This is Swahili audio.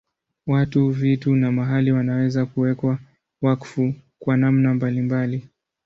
Watu, vitu na mahali wanaweza kuwekwa wakfu kwa namna mbalimbali.